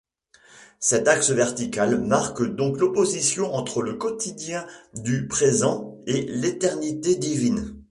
Cet axe vertical marque donc l'opposition entre le quotidien du présent et l'éternité divine.